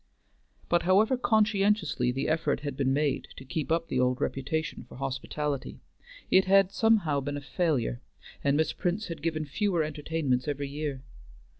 But however conscientiously the effort had been made to keep up the old reputation for hospitality, it had somehow been a failure, and Miss Prince had given fewer entertainments every year.